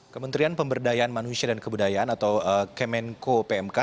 kementerian pemberdayaan manusia dan kebudayaan atau kemenko pmk